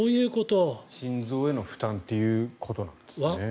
心臓への負担ということなんですね。